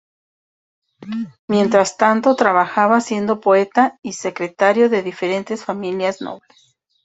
Mientras tanto trabajaba siendo poeta y secretario de diferentes familias nobles.